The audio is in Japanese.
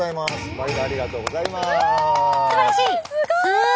はい。